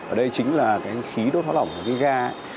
ở đây chính là cái khí đốt hóa lỏng của cái ga